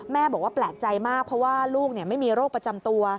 แม่บอกว่าแปลกใจมากเพราะว่าลูกไม่มีโรคประจำตัว